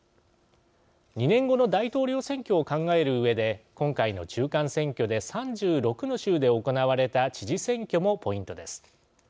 ２年後の大統領選挙を考えるうえで今回の中間選挙で３６の州で行われた知事選挙もポイントです。